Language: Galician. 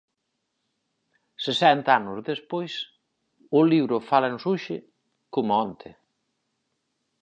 Sesenta anos despois, o libro fálanos hoxe coma onte.